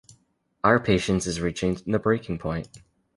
Our patience is reaching the breaking point.